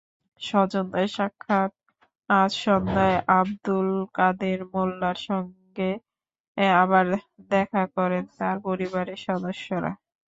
স্বজনদের সাক্ষাৎআজ সন্ধ্যায় আবদুল কাদের মোল্লার সঙ্গে আবার দেখা করেন তাঁর পরিবারের সদস্যরা।